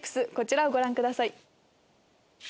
こちらをご覧ください。